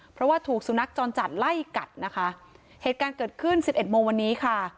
เพราะว่าถูกสุนัขจรจัดไล่กัดนะคะเหตุการณ์เกิดขึ้นสิบเอ็ดโมงวันนี้ค่ะ